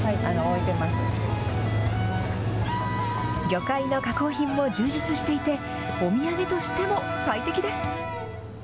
魚介の加工品も充実していて、お土産としても最適です。